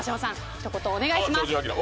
一言お願いします。